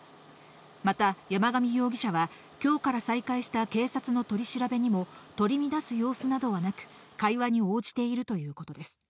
また山上容疑者は、きょうから再開した警察の取り調べにも、取り乱す様子などはなく、会話に応じているということです。